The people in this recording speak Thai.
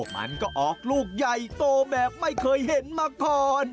มันก็ออกลูกใหญ่โตแบบไม่เคยเห็นมาก่อน